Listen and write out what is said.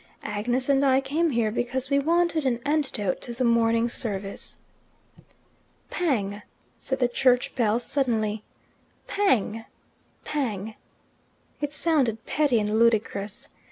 Agnes and I came here because we wanted an antidote to the morning service." "Pang!" said the church bell suddenly; "pang! pang!" It sounded petty and ludicrous.